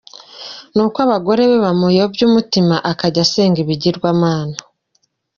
Nuko abagore be bamuyobya umutima akajya asenga ibigirwamana .